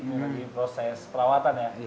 ini lagi proses perawatan ya